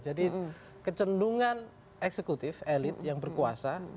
jadi kecendungan eksekutif elit yang berkuasa